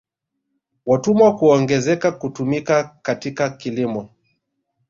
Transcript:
Watumwa kuongezeka kutumika katika kilimo